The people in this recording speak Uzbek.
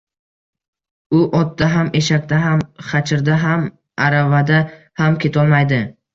U otda ham, eshakda ham, xachirda ham aravada ham kelolmaydi